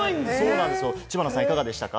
知花さん、いかがでしたか？